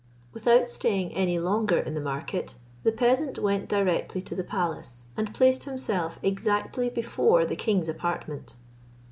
Without staying any longer in the market, the peasant went directly to the palace, and placed himself exactly before the king's apartment.